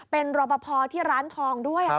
เป็นรบพอที่ร้านทองด้วยค่ะ